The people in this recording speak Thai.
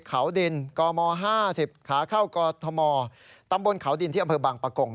ขาวดินกม๕๐ขาเข้ากธมตบนขาวดินที่อำเภิกบังปะกง